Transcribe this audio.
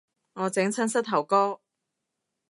我整親膝頭哥